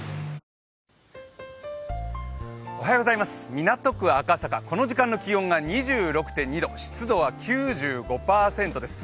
港区赤坂、この時間の気温が２６．２度、湿度は９５％です。